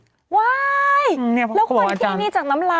ว้ายแล้วคนทีมีจากน้ำไร